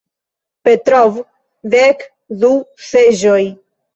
Petrov "Dek du seĝoj".